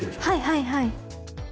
はいはいはい。